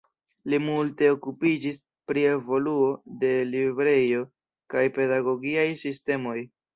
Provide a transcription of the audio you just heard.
Li multe okupiĝis pri evoluo de librejo kaj pedagogiaj sistemoj.